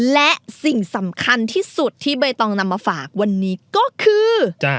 และสิ่งสำคัญที่สุดที่ใบตองนำมาฝากวันนี้ก็คือ